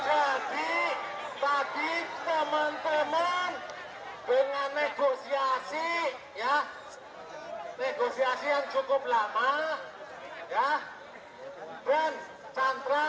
jadi tadi teman teman dengan negosiasi ya negosiasi yang cukup lama ya dan santra